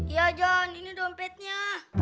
iya jon ini dompetnya